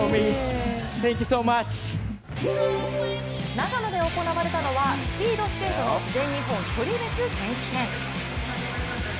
長野で行われたのはスピードスケートの全日本距離別選手権。